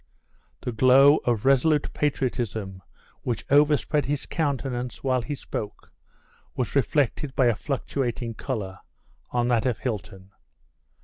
The glow of resolute patriotism which overspread his countenance while he spoke was reflected by a fluctuating color on that of Hilton.